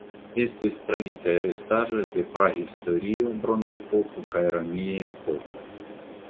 Estis trovitaj restaĵoj de prahistorio (Bronzepoko) kaj romia epoko.